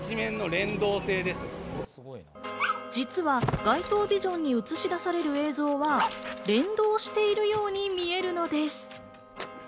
実は街頭ビジョンに映し出される映像は連動しているように見えるのです。